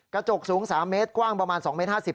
กระจกสูง๓เมตรกว้างประมาณ๒เมตร๕๐